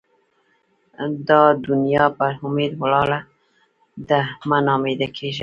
دا دونیا پر اُمید ولاړه ده؛ مه نااميده کېږئ!